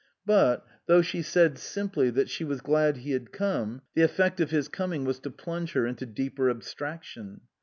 But, though she said simply that she was glad he had come, the effect of his coming was to plunge her into deeper abstrac tion.